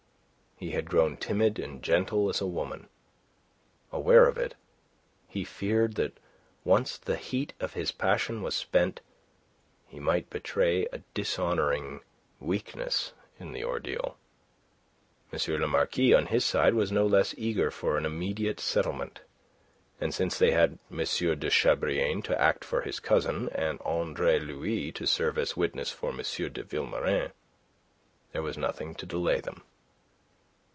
He had grown timid and gentle as a woman. Aware of it, he feared that once the heat of his passion was spent he might betray a dishonouring weakness, in the ordeal. M. le Marquis, on his side, was no less eager for an immediate settlement; and since they had M. de Chabrillane to act for his cousin, and Andre Louis to serve as witness for M. de Vilmorin, there was nothing to delay them.